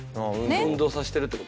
運動させてるって事か。